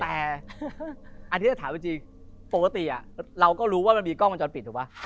แต่อันนี้จะถามจริงปกติเราก็รู้ว่ามันมีกล้องวงจรปิดถูกป่ะ